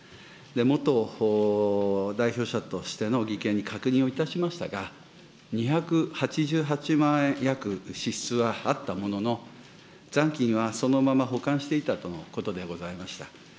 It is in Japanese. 元代表者としての義兄に確認をいたしましたが、２８８万円、約、支出はあったものの、残金はそのまま保管していたとのことでございました。